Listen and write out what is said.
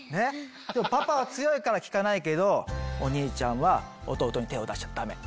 パパは強いから効かないけどお兄ちゃんは弟に手を出しちゃダメ！